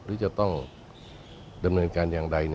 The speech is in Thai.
หรือจะต้องดำเนินการอย่างไร